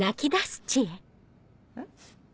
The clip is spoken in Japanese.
えっ。